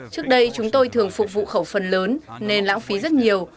trước đây chúng tôi thường phục vụ khẩu phần lớn nên lãng phí rất nhiều